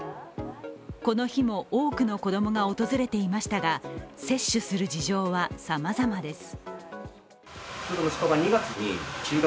この日も、多くの子供が訪れていましたが、接種する事情はさまざまです。